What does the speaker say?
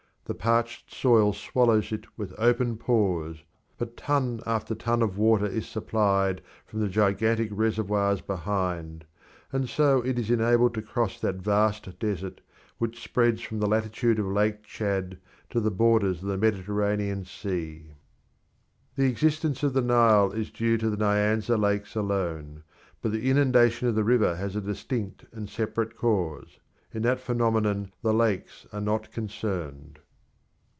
The parched soil swallows it with open pores, but ton after ton of water is supplied from the gigantic reservoirs behind, and so it is enabled to cross that vast desert which spreads from the latitude of Lake Tchad to the borders of the Mediterranean Sea. The existence of the Nile is due to the Nyanza Lakes alone, but the inundation of the river has a distinct and separate cause. In that phenomenon the lakes are not concerned.